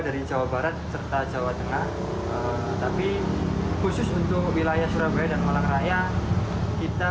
dari jawa barat serta jawa tengah tapi khusus untuk wilayah surabaya dan malang raya kita